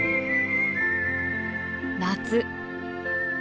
夏。